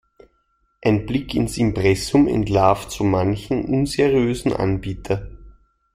Ein Blick ins Impressum entlarvt so manchen unseriösen Anbieter.